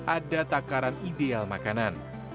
ada takaran ideal makanan